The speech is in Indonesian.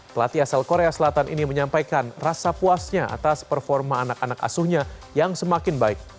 pelatih asal korea selatan ini menyampaikan rasa puasnya atas performa anak anak asuhnya yang semakin baik